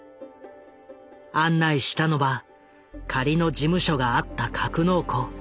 案内したのは仮の事務所があった格納庫。